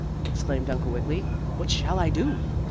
exclaimed Uncle Wiggily. "What shall I do?"